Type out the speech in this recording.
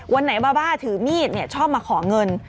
วันไหนบ้าถือมีดเนี่ยชอบมาขอเงิน